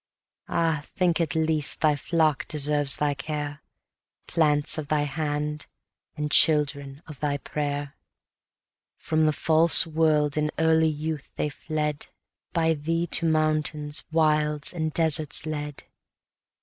Ah, think at least thy flock deserves thy care, Plants of thy hand, and children of thy prayer. 130 From the false world in early youth they fled, By thee to mountains, wilds, and deserts led.